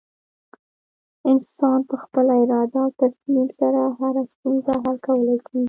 انسان په خپله اراده او تصمیم سره هره ستونزه حل کولی شي.